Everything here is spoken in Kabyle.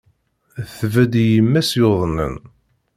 Tbedd i yemma-s yuḍnen.